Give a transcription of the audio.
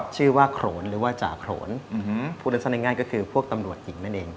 ชื่อว่าโขนหรือว่าจ่าโขนพูดสั้นง่ายก็คือพวกตำรวจหญิงนั่นเอง